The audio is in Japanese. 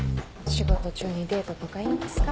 仕事中にデートとかいいんですか？